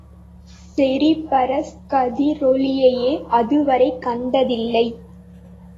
Cerberus கதிரொளியையே அதுவரை கண்டதில்லை.